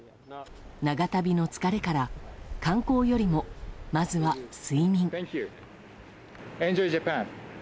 長旅の疲れから観光よりもまずは睡眠。